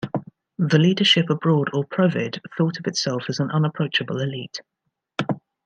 The leadership abroad, or "Provid", thought of itself as an unapproachable elite.